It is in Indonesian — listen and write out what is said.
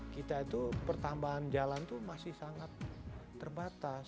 kita itu pertambahan jalan itu masih sangat terbatas